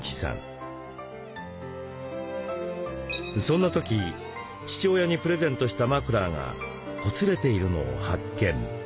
そんな時父親にプレゼントしたマフラーがほつれているのを発見。